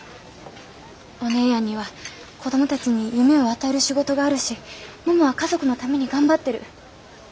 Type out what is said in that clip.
お姉やんには子どもたちに夢を与える仕事があるしももは家族のために頑張ってる。